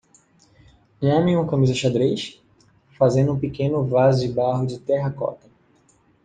Um homem em uma camisa xadrez? fazendo um pequeno vaso de barro de terracota.